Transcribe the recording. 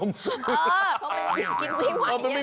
มันไม่ได้มีนมมันมีนมถึงมันมี